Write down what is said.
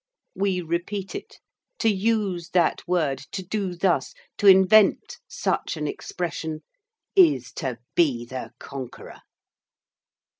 _ We repeat it,—to use that word, to do thus, to invent such an expression, is to be the conqueror!